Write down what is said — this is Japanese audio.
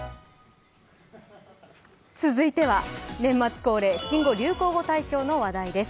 続いては年末恒例新語・流行語大賞の話題です。